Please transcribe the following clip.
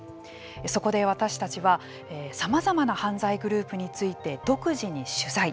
そこで私たちは、さまざまな犯罪グループについて独自に取材。